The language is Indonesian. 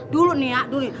dulu nih ya dulu